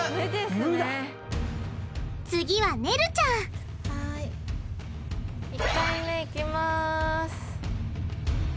次はねるちゃん１回目いきます。